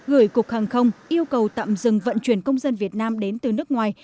gửi cục hàng không yêu cầu tạm dừng vận chuyển công dân việt nam đến từ nước ngoài